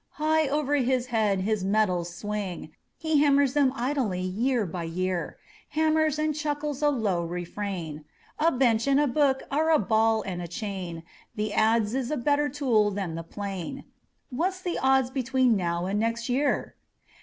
High over his head his metals swing; He hammers them idly year by year, Hammers and chuckles a low refrain: "A bench and a book are a ball and a chain, The adze is a better tool than the plane; What's the odds between now and next year?"